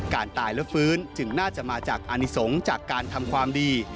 การตายและฟื้นจึงน่าจะมาจากอนิสงฆ์จากการทำความดี